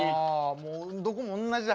もうどこも同じじゃ。